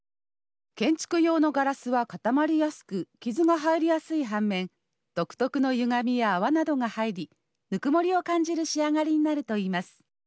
建築用のガラスは固まりやすく、傷が入りやすいはんめん、独特のゆがみや泡などが入り、ぬくもりを感じる仕上がりになるといいます。